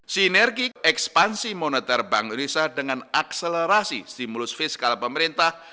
sinergi ekspansi moneter bank indonesia dengan akselerasi stimulus fiskal pemerintah